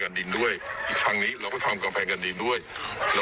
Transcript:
อันนั้นเขาที่เลี้ยงว่าการทันของเธอ